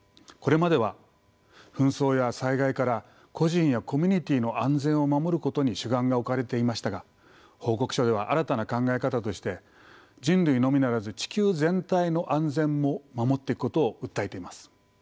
これまでは紛争や災害から個人やコミュニティーの安全を守ることに主眼が置かれていましたが報告書では新たな考え方として人類のみならず地球全体の安全も守っていくことを訴えています。